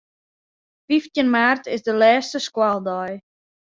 Fyftjin maart is de lêste skoaldei.